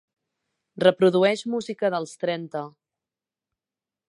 reprodueix música dels trenta